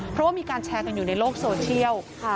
เพราะว่ามีการแชร์กันอยู่ในโลกโซเชียล